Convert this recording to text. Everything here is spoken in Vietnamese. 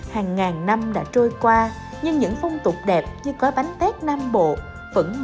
hàng ngàn năm đã trôi qua nhưng những phong tục đẹp như gói bánh tết nam bộ vẫn mãi trường tồn cùng dân tộc